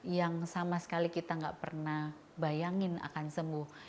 yang sama sekali kita tidak pernah bayangkan akan sembuh